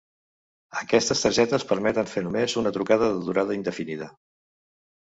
Aquestes targetes permeten fer només una trucada de durada indefinida.